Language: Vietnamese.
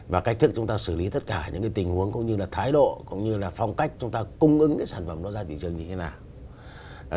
và cách thức chúng ta xử lý tất cả những tình huống cũng như là thái độ cũng như là phong cách chúng ta cung ứng cái sản phẩm đó ra thị trường như thế nào